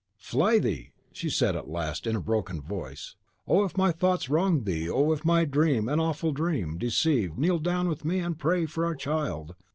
"Fly thee!" she said, at last, and in a broken voice; "oh, if my thoughts wronged thee, oh, if my dream, that awful dream, deceived, kneel down with me, and pray for our child!"